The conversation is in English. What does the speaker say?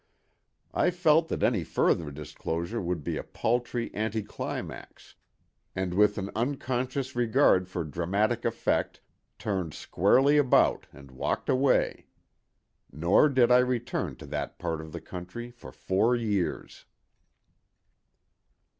I felt that any further disclosure would be a paltry anti climax, and with an unconscious regard for dramatic effect turned squarely about and walked away. Nor did I return to that part of the county for four years.